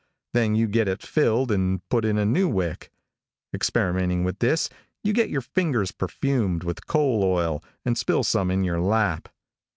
Then you get it filled and put in a new wick. Experimenting with this you get your fingers perfumed with coal oil, and spill some in your lap.